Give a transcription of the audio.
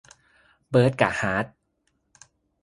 เบิร์ดกะฮาร์ท